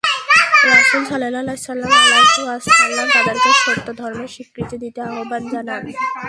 রাসূল সাল্লাল্লাহু আলাইহি ওয়াসাল্লাম তাদেরকে সত্য ধর্মের স্বীকৃতি দিতে আহবান জানান।